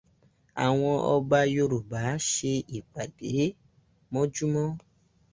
Àwọn ọba Yorùbá ṣe ìpàdé mọ́júmọ́.